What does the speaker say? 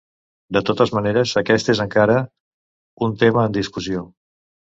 De totes maneres, aquest és encara un tema en discussió.